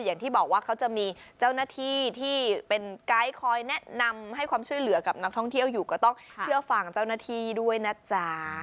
อย่างที่บอกว่าเขาจะมีเจ้าหน้าที่ที่เป็นไกด์คอยแนะนำให้ความช่วยเหลือกับนักท่องเที่ยวอยู่ก็ต้องเชื่อฟังเจ้าหน้าที่ด้วยนะจ๊ะ